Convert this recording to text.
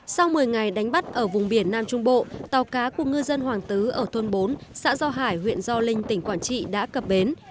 sau một mươi ngày đánh bắt ở vùng biển nam trung bộ tàu cá của ngư dân hoàng tứ ở thôn bốn xã do hải huyện do linh tỉnh quảng trị đã cập bến